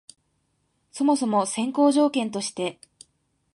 そもそも先行条件として、